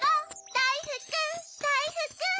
だいふくだいふく！